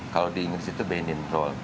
kalau di inggris itu benin roll